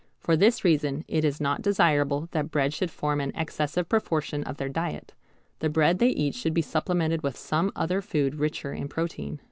For this reason it is not desirable that bread should form an excessive proportion of their diet. The bread they eat should be supplemented with some other food richer in protein.